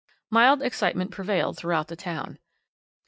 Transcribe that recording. Mild excitement prevailed throughout the town.